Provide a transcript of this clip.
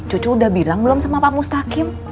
cucu udah bilang belum sama pak mustaqim